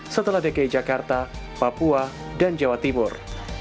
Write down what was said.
setelah dki jakarta papua dan jawa timur